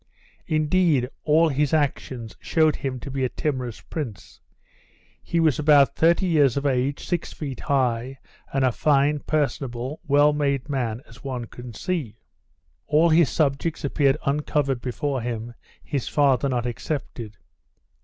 Indeed all his actions shewed him to be a timorous prince. He was about thirty years of age, six feet high, and a fine, personable, well made man as one can see. All his subjects appeared uncovered before him, his father not excepted.